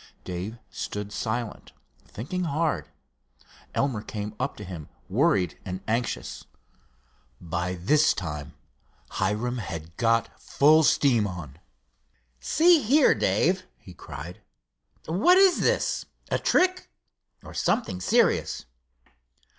Dave stood silent, thinking hard. Elmer came up to him, worried and anxious. By this time Hiram had got full steam of excitement on. "See here, Dave," he cried, "what is this—a trick, or something serious?"